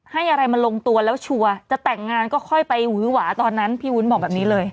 ให้อะไรมันลงตัวแล้วชัวร์จะแต่งงานก็ค่อยไปหวือหวาตอนนั้นพี่วุ้นบอกแบบนี้เลย